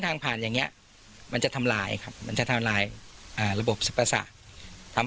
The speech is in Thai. ทางผ่านอย่างนี้มันจะทำลายครับมันจะทำลายระบบสรรพศาสตร์ทำให้